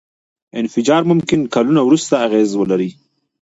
انفجار ممکن کلونه وروسته اغېز ولري.